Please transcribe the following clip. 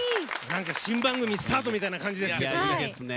なんか新番組スタートみたいな感じですね！